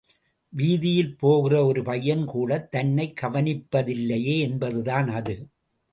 வீதியில் போகிற ஒரு பையன் கூடத் தன்னைக் கவனிப்பதில்லையே என்பதுதான் அது.